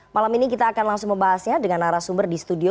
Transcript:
malam ini kita akan langsung membahasnya dengan arah sumber di studio